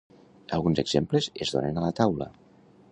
Alguns exemples es donen a la taula.